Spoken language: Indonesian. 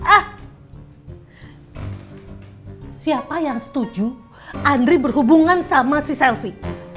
ah siapa yang setuju andri berhubungan sama si selfie